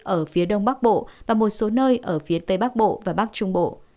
ở phía đông bắc bộ và một số nơi ở phía tây bắc bộ và bắc trung bộ